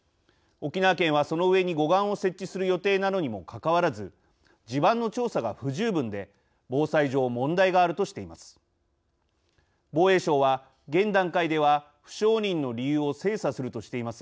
沖縄県はその上に護岸を設置する予定なのにもかかわらず地盤の調査が不十分で防災上問題があるとしています。